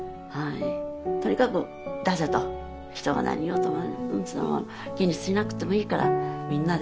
「とにかく出せ」と人が何を言おうとも気にしなくてもいいからみんなで